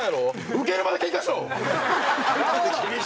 「ウケるまでケンカしろ」。